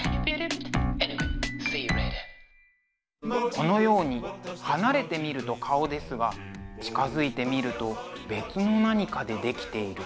このように離れて見ると顔ですが近づいて見ると別の何かで出来ている。